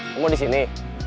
kamu di sini